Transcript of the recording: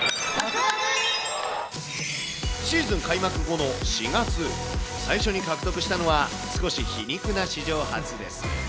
シーズン開幕後の４月、最初に獲得したのは少し皮肉な史上初です。